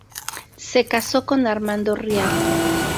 Se casó con Armando Rial.